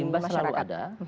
imbas selalu ada